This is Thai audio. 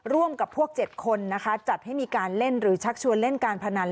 ร่วมกับพวก๗คนนะคะจัดให้มีการเล่นหรือชักชวนเล่นการพนัน